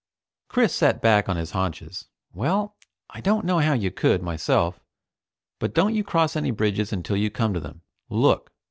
Chris sat back on his haunches. "Well, I don't know how you could, myself. But don't you cross any bridges until you come to them. Look."